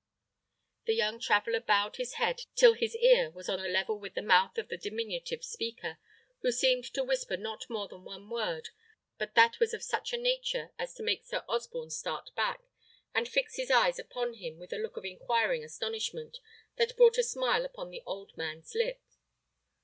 The young traveller bowed his head till his ear was on a level with the mouth of the diminutive speaker, who seemed to whisper not more than one word, but that was of such a nature as to make Sir Osborne start back, and fix his eyes upon him with a look of inquiring astonishment, that brought a smile upon the old man's lip.